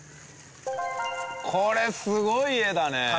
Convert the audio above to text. これすごい画だね！